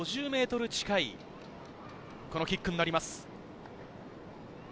５０ｍ近いキックになります。